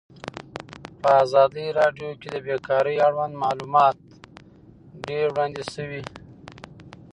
په ازادي راډیو کې د بیکاري اړوند معلومات ډېر وړاندې شوي.